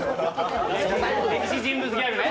歴史人物ギャグね。